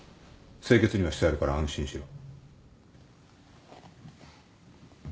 清潔にはしてあるから安心しろ。